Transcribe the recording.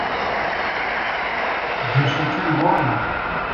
D acu kan ɣur-nneɣ.